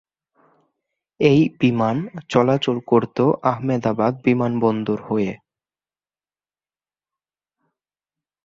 এই বিমান চলাচল করত আহমেদাবাদ বিমানবন্দর হয়ে।